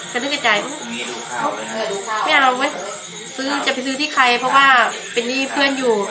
กระดูกกระจายไม่เอาเว้ยซื้อจะไปซื้อที่ใครเพราะว่าเป็นนี่เพื่อนอยู่